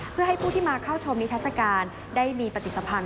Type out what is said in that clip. เพื่อให้ผู้ที่มาเข้าชมนิทัศกาลได้มีปฏิสภัณฑ